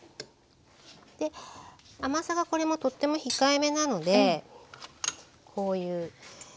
甘さがこれもとっても控えめなのでこういう。